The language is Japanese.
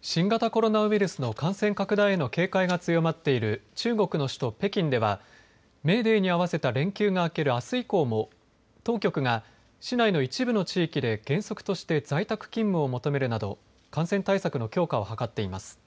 新型コロナウイルスの感染拡大への警戒が強まっている中国の首都、北京ではメーデーに合わせた連休が明けるあす以降も当局が市内の一部の地域で原則として在宅勤務を求めるなど感染対策の強化を図っています。